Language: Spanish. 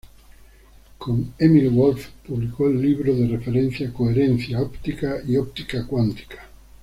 Con Emil Wolf, publicó el libro de referencia "Coherencia Óptica y Óptica Cuántica.